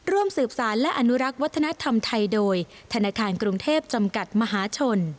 ร่วมสืบสารและอนุรักษ์วัฒนธรรมไทยโดยธนาคารกรุงเทพจำกัดมหาชน